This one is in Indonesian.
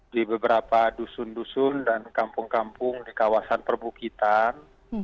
di beberapa dusun dusun dan kampung kampung di kawasan perbukitan